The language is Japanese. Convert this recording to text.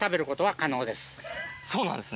そうなんですね。